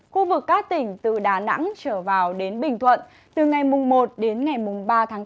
khu vực các tỉnh từ đà nẵng trở vào đến bình thuận từ ngày mùng một đến ngày mùng ba tháng tám